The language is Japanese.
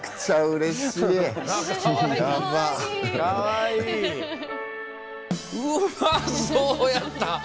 うまそうやった！